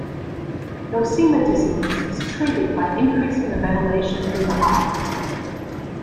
Nosema disease is treated by increasing the ventilation through the hive.